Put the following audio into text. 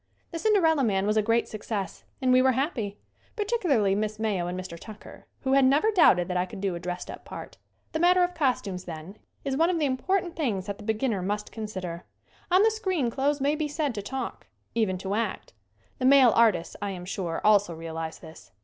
"The Cinderella Man" was a great success and we were happy; particularly Miss Mayo and Mr. Tucker, who had never doubted that I could do a dressed up part. The matter of costumes, then, is one of the important things that the beginner must con sider. On the screen clothes may be said to talk ; even to act. The male artists, I am sure, also realize this.